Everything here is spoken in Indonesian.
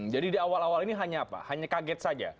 jadi di awal awal ini hanya apa hanya kaget saja